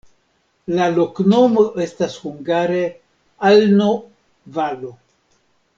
La loknomo estas hungare: alno-valo.